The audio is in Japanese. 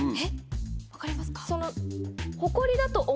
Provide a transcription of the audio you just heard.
分かりますか？